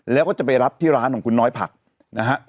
แล้วก็จะไปรับที่ร้านของคุณน้อยผักนะฮะ